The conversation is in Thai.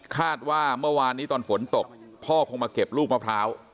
คาดว่าเมื่อวานนี้ตอนฝนตกพ่อคงมาเก็บลูกมะพร้าว